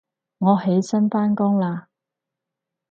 我起身返工喇